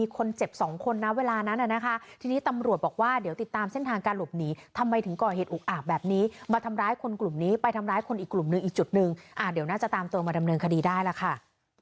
ขอบคุณที่มากับพี่อำนวนแทนให้ครับ